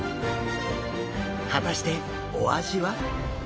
果たしてお味は？